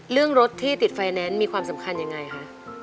เรื่องรถที่ติดไฟแนนซ์มีความสำคัญยังไงคะ